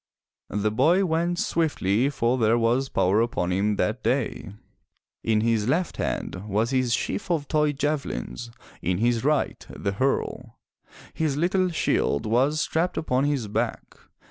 The boy went swiftly for there was power upon him that day. In his left hand was his sheaf of toy javelins, in his right the hurle; his little shield was strapped upon his back.